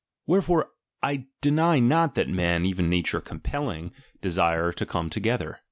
Wherefore I deny not that men (even nature compelling) desire to come together.